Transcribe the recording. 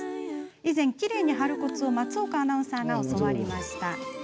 以前、きれいに張るコツを松岡アナウンサーが教わりました。